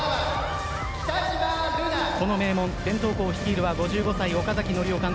この名門伝統高校を率いるは５５歳岡崎典生監督。